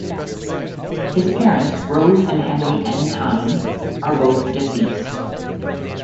His parents, Rose and Henry N. Tani, are both deceased.